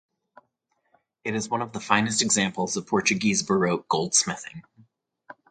It is one of the finest examples of Portuguese Baroque goldsmithing.